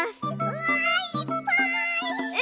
うわいっぱい！